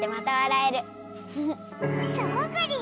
そうぐり。